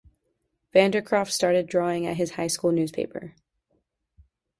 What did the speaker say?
Van der Kroft started drawing at his high school newspaper.